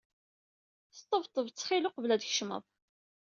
Sṭṭbeb ttxil qbel ad tkecmeḍ.